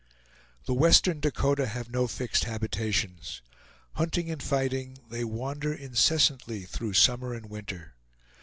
The western Dakota have no fixed habitations. Hunting and fighting, they wander incessantly through summer and winter.